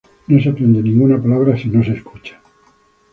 Ninguna palabra es aprendida sin haber sido escuchada.